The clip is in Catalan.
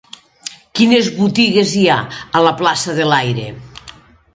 Quines botigues hi ha a la plaça de l'Aire?